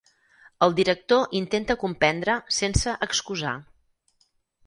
El director intenta comprendre sense excusar.